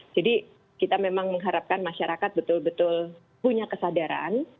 jadi kita memang mengharapkan masyarakat betul betul punya kesadaran